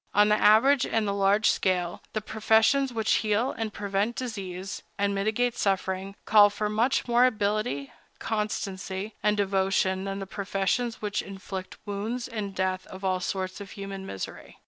On the average and the large scale, the professions which heal and prevent disease, and mitigate suffering, call for much more ability, constancy, and devotion than the professions which inflict wounds and death and all sorts of human misery.